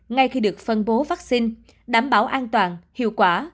ngay khi được phân bố vaccine đảm bảo an toàn hiệu quả